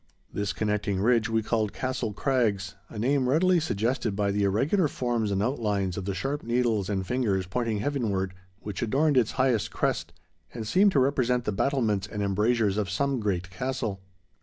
This connecting ridge we called Castle Crags, a name readily suggested by the irregular forms and outlines of the sharp needles and fingers, pointing heavenward, which adorned its highest crest, and seemed to represent the battlements and embrasures of some great castle.